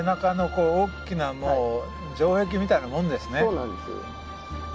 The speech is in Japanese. そうなんです。